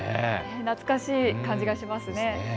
懐かしい感じがしますね。